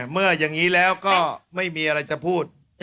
เมื่ออย่างนี้แล้วก็ไม่มีอะไรจะพูด